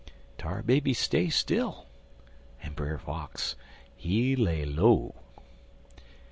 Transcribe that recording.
"Tar Baby stay still, en Brer Fox, he lay low.